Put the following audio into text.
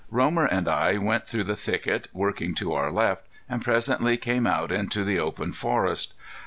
Romer and I went through the thicket, working to our left, and presently came out into the open forest.